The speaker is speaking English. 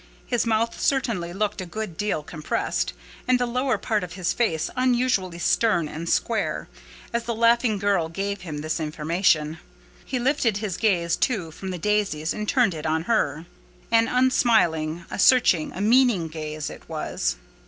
His mouth certainly looked a good deal compressed, and the lower part of his face unusually stern and square, as the laughing girl gave him this information. He lifted his gaze, too, from the daisies, and turned it on her. An unsmiling, a searching, a meaning gaze it was.